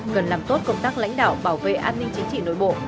cần làm tốt công tác lãnh đạo bảo vệ an ninh chính trị nội bộ